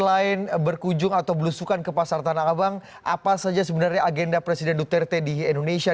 selain berkunjung atau belusukan ke pasar tanah abang apa saja sebenarnya agenda presiden duterte di indonesia